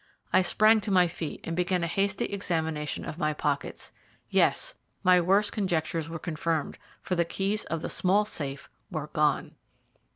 I sprang to my feet and began a hasty examination of my pockets. Yes, my worst conjectures were confirmed, for the keys of the small safe were gone!